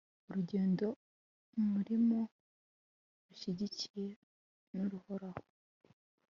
urugendo murimo rushyigikiwe n'uhoraho